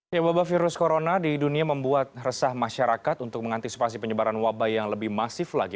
ya wabah virus corona di dunia membuat resah masyarakat untuk mengantisipasi penyebaran wabah yang lebih masif lagi